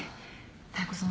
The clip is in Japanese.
妙子さん